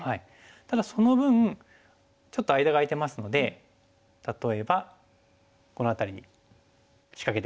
ただその分ちょっと間が空いてますので例えばこの辺りに仕掛けてきたりとか。